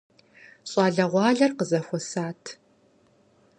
ЩӀалэгъуалэр къызэхуэсат.